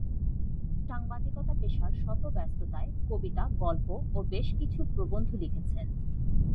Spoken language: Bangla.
সাংবাদিকতা পেশার শত ব্যস্ততায় কবিতা, গল্প ও বেশ কিছু প্রবন্ধ লিখেছেন।